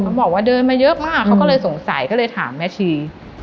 บอกว่าเดินมาเยอะมากเขาก็เลยสงสัยก็เลยถามแม่ชี